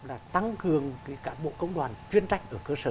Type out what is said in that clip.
là tăng cường cái cán bộ công đoàn chuyên trách